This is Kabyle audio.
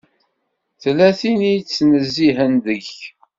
Tella tin i d-ittnezzihen deg-k.